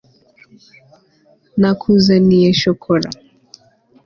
nakuzaniye shokora